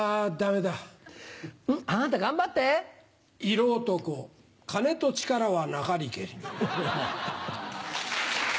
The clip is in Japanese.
色男金と力はなかりけり。